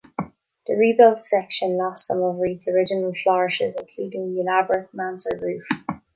The rebuilt section lost some of Reed's original flourishes including the elaborate mansard roof.